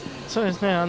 そうですね。